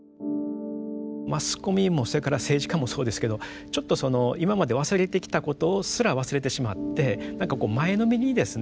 マスコミもそれから政治家もそうですけどちょっとその今まで忘れてきたことすら忘れてしまって何かこう前のめりにですね